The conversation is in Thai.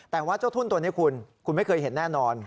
แต่ว่าเจ้าทุ่นตัวนี้คุณคุณไม่เคยเห็นแน่นอน